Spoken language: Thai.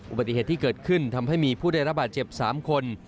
อุบัติเหตุที่เกิดขึ้นทำให้มีผู้ได้รับบาดเจ็บ๓คน